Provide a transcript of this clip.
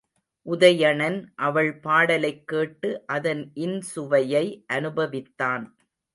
உதயணன் அவள் பாடலைக் கேட்டு, அதன் இன்சுவையை அநுபவித்தான்.